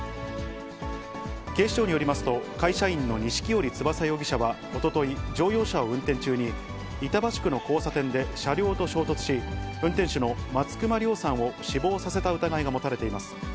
警視庁によりますと、会社員の錦織翼容疑者はおととい、乗用車を運転中に、板橋区の交差点で車両と衝突し、運転手の松隈量さんを死亡させた疑いが持たれています。